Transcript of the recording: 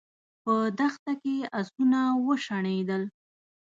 په دښته کې آسونه وشڼېدل.